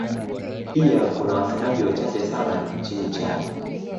Pia kuna wasemaji wachache sana nchini Chad.